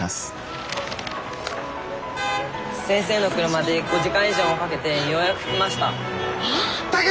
先生の車で５時間以上もかけてようやく来ました。